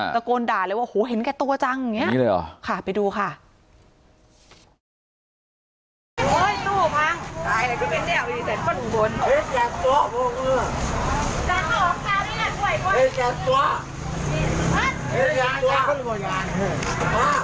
ตะโกนด่าเลยว่าโอ้โฮเห็นแค่ตัวจังอย่างนี้ค่ะไปดูค่ะนี่เลยเหรอ